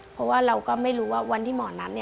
เพราะว่าเราก็ไม่รู้ว่าวันที่หมอนัด